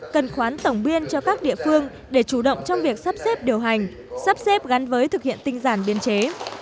cần khoán tổng biên cho các địa phương để chủ động trong việc sắp xếp điều hành sắp xếp gắn với thực hiện tinh giản biên chế